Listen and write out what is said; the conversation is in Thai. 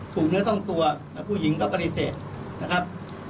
เนื้อต้องตัวผู้หญิงก็ปฏิเสธนะครับ